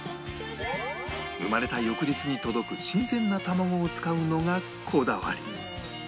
生まれた翌日に届く新鮮な卵を使うのがこだわり